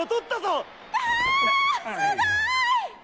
すごい！